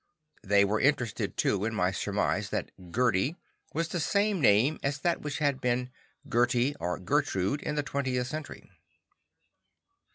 They were interested too in my surmise that "Gerdi" was the same name as that which had been "Gerty" or "Gertrude" in the 20th Century.